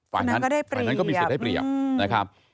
ฝ่ายนั้นก็มีเสร็จได้เปรียบ